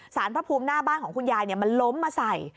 พระภูมิหน้าบ้านของคุณยายมันล้มมาใส่